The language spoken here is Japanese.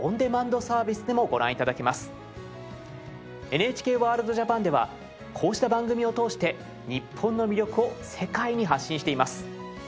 ＮＨＫワールドＪＡＰＡＮではこうした番組を通して日本の魅力を世界に発信しています。